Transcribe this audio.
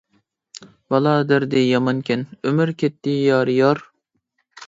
بالا دەردى يامانكەن، ئۆمۈر كەتتى يارىيار.